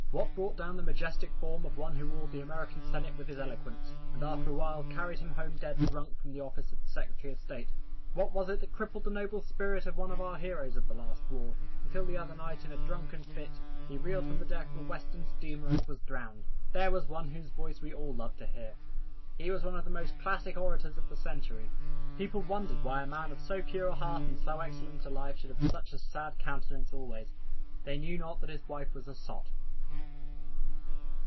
What brought down the majestic form of one who awed the American Senate with his eloquence, and after a while carried him home dead drunk from the office of Secretary of State? What was it that crippled the noble spirit of one of the heroes of the last war, until the other night, in a drunken fit, he reeled from the deck of a Western steamer and was drowned! There was one whose voice we all loved to hear. He was one of the most classic orators of the century. People wondered why a man of so pure a heart and so excellent a life should have such a sad countenance always. They knew not that his wife was a sot.